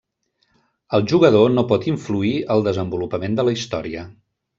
El jugador no pot influir al desenvolupament de la història.